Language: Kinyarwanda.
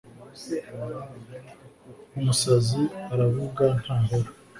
umusazi aravuga ntahora